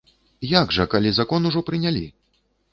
Як жа, калі закон ужо прынялі?